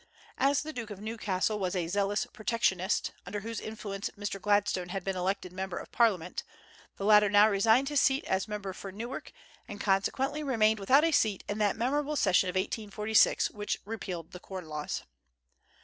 As the Duke of Newcastle was a zealous protectionist, under whose influence Mr. Gladstone had been elected member of Parliament, the latter now resigned his seat as member for Newark, and consequently remained without a seat in that memorable session of 1846 which repealed the corn laws.